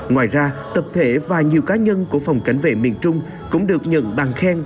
ngoài ra tập thể và nhiều cá nhân của phòng cảnh vệ miền trung cũng được nhận bằng khen